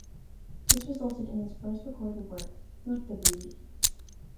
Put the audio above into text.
This resulted in his first recorded work, "Boot the Booty".